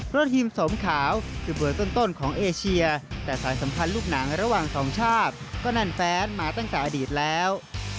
ทีมสมขาวคือเบอร์ต้นของเอเชียแต่สายสัมพันธ์ลูกหนังระหว่างสองชาติก็แน่นแฟนมาตั้งแต่อดีตแล้ว